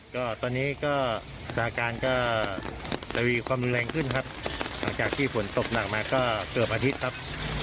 ก็ตอนนี้ก็สถานการณ์ก็ระวีความรุนแรงขึ้นครับหลังจากที่ฝนตกหนักมาก็เกือบอาทิตย์ครับ